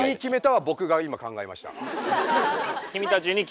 はい。